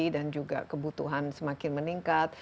dan juga kebutuhan semakin meningkat